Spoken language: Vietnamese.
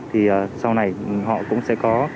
thì sau này họ cũng sẽ có